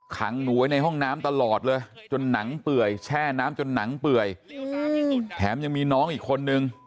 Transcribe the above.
ขังหนูไว้ในห้องน้ำตลอดเลยจนหนังเปื่อยแช่น้ำจนหนังเปื่อยแถมยังมีน้องอีกคนนึง